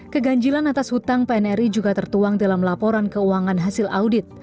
keganjilan atas hutang pnri juga tertuang dalam laporan keuangan hasil audit